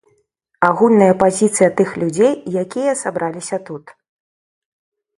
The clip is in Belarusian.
Агульная пазіцыя тых людзей, якія сабраліся тут.